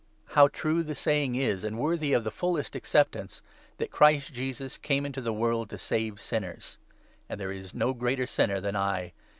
How true the saying is, and worthy of the fullest accep 15 tance, that ' Christ Jesus came into the world to save sinners '! And there is no greater sinner than I